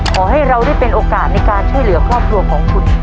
ขอให้เราได้เป็นโอกาสในการช่วยเหลือครอบครัวของคุณ